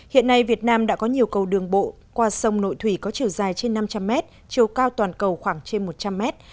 hiện nay việt nam đã có nhiều cầu đường bộ qua sông nội thủy có chiều dài trên năm trăm linh mét chiều cao toàn cầu khoảng trên một trăm linh mét